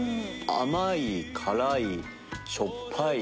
甘い辛いしょっぱい。